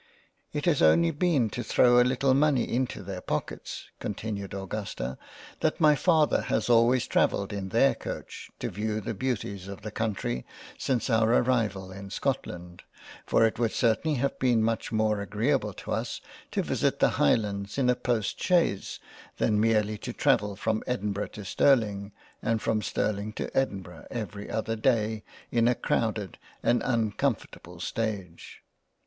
" It has only been to throw a little money into their Pockets (continued Augusta) that my Father has always travelled in their Coach to veiw the beauties of the Country since our arrival in Scotland — for it would certainly have been much more agreable to us, to visit the Highlands in a Postchaise than merely to travel from Edin burgh to Sterling and from Sterling to Edinburgh every other Day in a crowded and uncomfortable Stage."